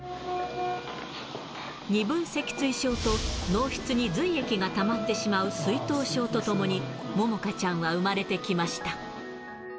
二分脊椎症と脳室に髄液がたまってしまう水頭症とともに、ももかちゃんは生まれてきました。